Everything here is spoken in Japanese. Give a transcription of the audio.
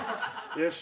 よし。